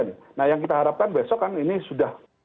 nah yang kita harapkan besok kan ini sudah